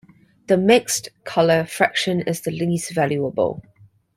The mixed color fraction is the least valuable.